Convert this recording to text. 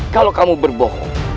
kalau kamu berbohong